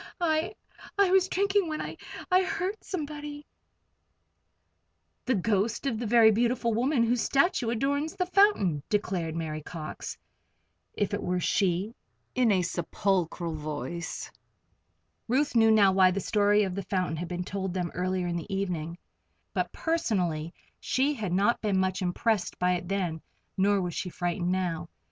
"I I was drinking it when I I heard somebody " "The ghost of the very beautiful woman whose statue adorns the fountain," declared Mary Cox, if it were she, in a sepulchral voice. Ruth knew now why the story of the fountain had been told them earlier in the evening, but personally she had not been much impressed by it then, nor was she frightened now.